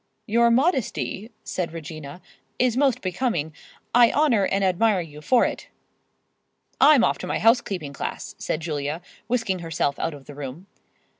"Your modesty," said Regina, "is most becoming. I honor and admire you for it—" "I'm off to my housekeeping class," said Julia, whisking herself out of the room.